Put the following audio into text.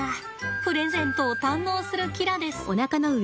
プレゼントを堪能するキラです。